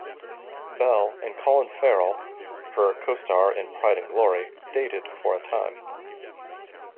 Bell and Colin Farrell, her co-star in "Pride and Glory," dated for a time.